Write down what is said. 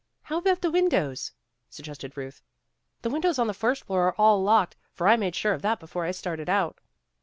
'' "How about the windows," suggested Ruth. "The windows on the first floor are all locked, for I made sure of that before I started out."